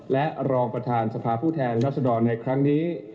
และรองประธานสภาผู้แทนรัศดรในครั้งนี้